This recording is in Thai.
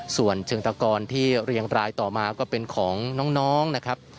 ส่วนเชิงตะกรที่เรียงรายต่อมาก็เป็นของน้องนะครับ